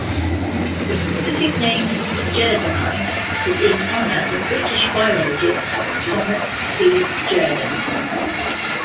The specific name, "jerdoni", is in honor of British biologist Thomas C. Jerdon.